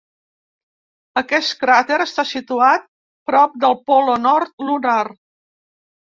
Aquest cràter està situat prop del Polo Nord lunar.